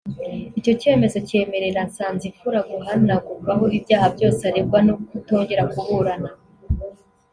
Icyo cyemezo cyemerera Nsanzimfura guhanagurwaho ibyaha byose aregwa no kutongera kuburana